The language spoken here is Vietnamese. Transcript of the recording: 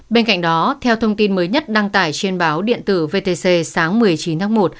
bên cạnh đó theo thông tin mới nhất đăng tải trên báo điện tử vtc sáng một mươi chín tháng một